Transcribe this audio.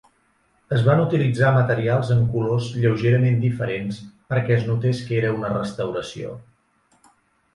Es van utilitzar materials en colors lleugerament diferents perquè es notés que era una restauració.